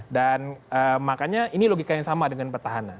dan makanya ini logika yang sama dengan petahana